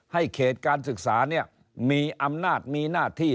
เขตการศึกษามีอำนาจมีหน้าที่